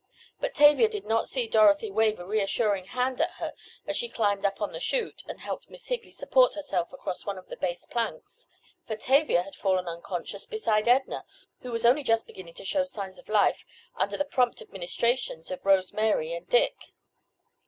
But Tavia did not see Dorothy wave a reassuring hand at her as she climbed up on the chute, and helped Miss Higley support herself across one of the base planks. For Tavia had fallen unconscious beside Edna, who was only just beginning to show signs of life under the prompt administrations of Rose Mary and Dick.